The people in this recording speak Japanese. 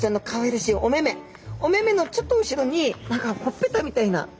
お目々のちょっと後ろに何かほっぺたみたいな。